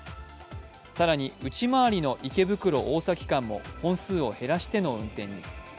更に内回りの池袋−大崎間も本数を減らしての運転に。